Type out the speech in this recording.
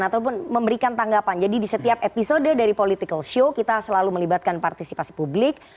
ataupun memberikan tanggapan jadi di setiap episode dari political show kita selalu melibatkan partisipasi publik